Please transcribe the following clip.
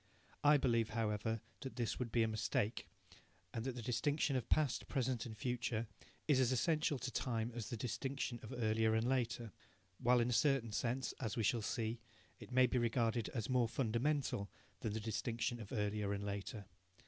I believe, however, that this would be a mistake, and that the distinction of past, present and future is as essential to time as the distinction of earlier and later, while in a certain sense, as we shall see, it may be regarded as more fundamental than the distinction of earlier and later.